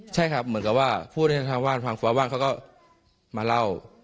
ใช่ครับเหมือนกับว่าพูดให้ทางบ้านฟังฟ้าบ้านเขาก็มาเล่า